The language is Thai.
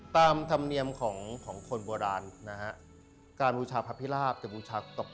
ตามธรรมเดียวของคนปลายที่บ่ราช